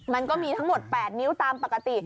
มันก็มีทั้งหมด๘นิ้วตามปกติ